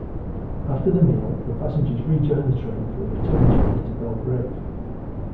After the meal, the passengers rejoin the train for the return journey to Belgrave.